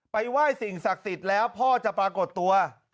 ไหว้สิ่งศักดิ์สิทธิ์แล้วพ่อจะปรากฏตัว